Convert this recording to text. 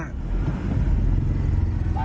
เฮ้ยเฮ้ยเอา